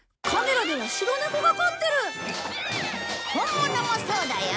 本物もそうだよ。